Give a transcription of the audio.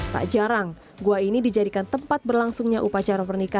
gua ini juga menjadi yang tertua yang pernah ditemukan